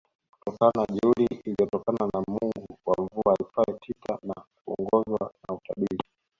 kutokana na jeuri iliyotokana na Mungu wa mvua aitwaye Tita na kuongozwa na utabiri